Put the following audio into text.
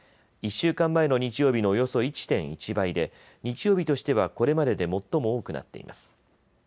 １週間前の日曜日のおよそ１．１倍で日曜日としてはこれまでで最も多くなっています。